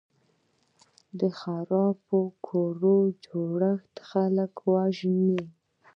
د خرابو کورو جوړښت خلک وژني.